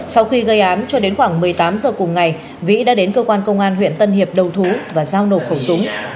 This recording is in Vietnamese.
sau khi gây án cho đến khoảng một mươi tám h cùng ngày vĩ đã đến cơ quan công an huyện tân hiệp đầu thú và giao nộp khẩu súng